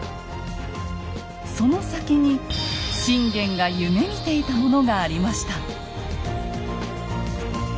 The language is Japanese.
その先に信玄が夢みていたものがありました。